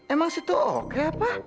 emang situ oke apa